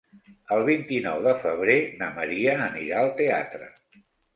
El vint-i-nou de febrer na Maria anirà al teatre.